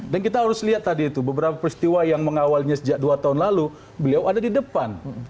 dan kita harus lihat tadi itu beberapa peristiwa yang mengawalnya sejak dua tahun lalu beliau ada di depan